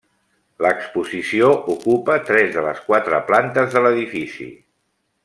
L'exposició ocupa tres de les quatre plantes de l'edifici.